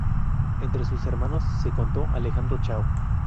Entre sus hermanos se contó Alejandro Chao.